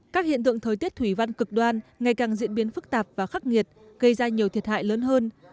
các hiện tượng thời tiết thủy văn cực đoan ngày càng diễn biến phức tạp và khắc nghiệt gây ra nhiều thiệt hại lớn hơn